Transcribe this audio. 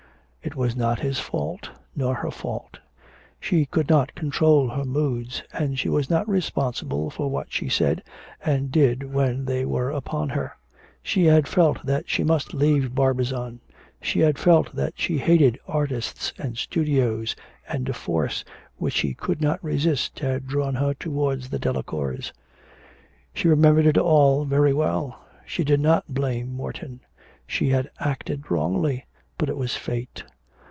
It was not his fault, nor her fault. She could not control her moods, and she was not responsible for what she said and did when they were upon her. She had felt that she must leave Barbizon, she had felt that she hated artists and studios, and a force, which she could not resist, had drawn her towards the Delacours. She remembered it all very well. She did not blame Morton. She had acted wrongly, but it was fate.